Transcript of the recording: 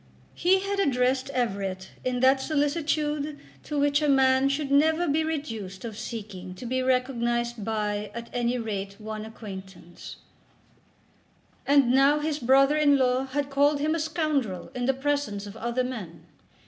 He had addressed Everett in that solicitude to which a man should never be reduced of seeking to be recognised by at any rate one acquaintance, and now his brother in law had called him a scoundrel in the presence of other men.